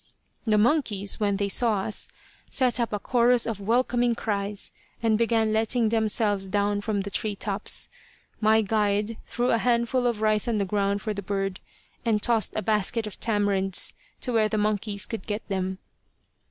The monkeys, when they saw us, set up a chorus of welcoming cries, and began letting themselves down from the tree tops. My guide threw a handful of rice on the ground for the bird, and tossed a basket of tamarinds to where the monkeys could get them.